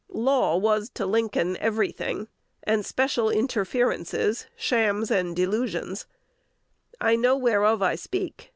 Law was to Lincoln every thing, and special interferences shams and delusions. I know whereof I speak.